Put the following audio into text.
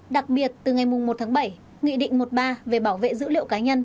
đặc biệt từ ngày một tháng bảy nghị định một mươi ba về bảo vệ dữ liệu cá nhân